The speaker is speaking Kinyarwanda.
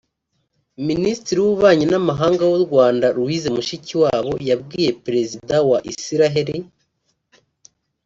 Minisitiri w’ububanyi n’amahanga w’u Rwanda Louise Mushikiwabo yabwiye Perezida wa Isiraheli